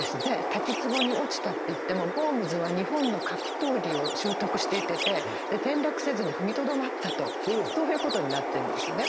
滝つぼに落ちたっていってもホームズは日本の格闘技を習得していてて転落せずに踏みとどまったとそういうことになってるんですね。